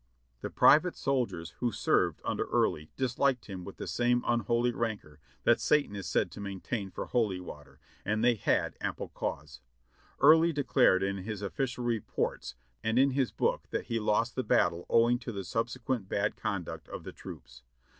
" The private Soldiers who served under Early disliked him with the same unholy rancor that Satan is said to maintain for holy water, and they had ample cause. Early declared in his official reports and in his lx)ok that he DISASTER AXD DEFKAT IN THE VALEEV 655 lost the battle owing to the subsequent bad conduct of the troops.